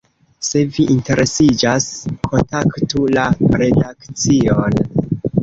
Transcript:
Se vi interesiĝas, kontaktu la redakcion!